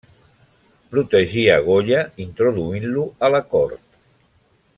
Protegí a Goya, introduint-lo a la cort.